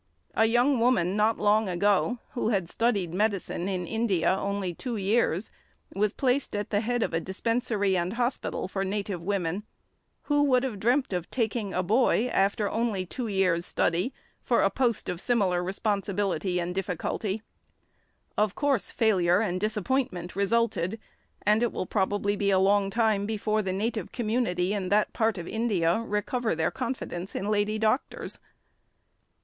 A young woman, not long ago, who had studied medicine in India only two years, was placed at the head of a dispensary and hospital for native women. Who would have dreamt of taking a boy, after only two years' study, for a post of similar responsibility and difficulty? Of course failure and disappointment resulted, and it will probably be a long time before the native community in that part of India recover their confidence in lady doctors.